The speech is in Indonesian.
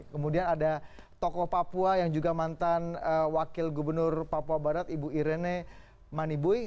kemudian ada tokoh papua yang juga mantan wakil gubernur papua barat ibu irene manibui